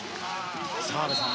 澤部さん